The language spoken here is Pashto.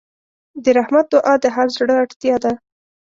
د رحمت دعا د هر زړه اړتیا ده.